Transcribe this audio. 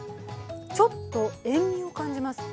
ちょっと塩みを感じます。